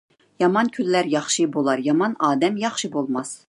يامان كۈنلەر ياخشى بولار، يامان ئادەم ياخشى بولماس.